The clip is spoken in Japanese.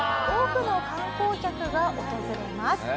多くの観光客が訪れます。